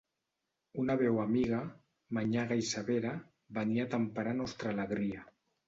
Una veu amiga, manyaga i severa, venia a temperar nostra alegria.